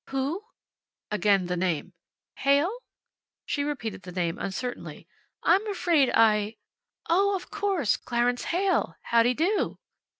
"Who?" Again the name. "Heyl?" She repeated the name uncertainly. "I'm afraid I O, of course! Clarence Heyl. Howdy do."